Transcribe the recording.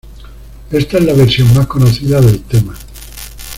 Esta es la versión más conocida del tema.